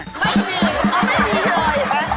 ไม่มีเขาไม่มีเลย